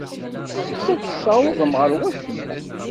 Ur tessawaḍem ɣer wacemma.